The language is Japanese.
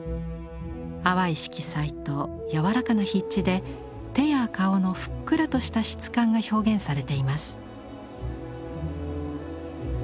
淡い色彩と柔らかな筆致で手や顔のふっくらとした質感が表現されています。